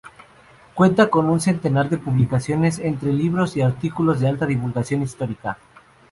Cuenta con un centenar de publicaciones entre libros y artículos de alta divulgación histórica.